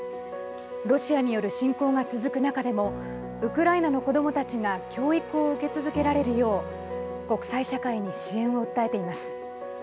ロシアによる侵攻が続く中でもウクライナの子どもたちが教育を受け続けられるよう国際社会に支援を訴えています。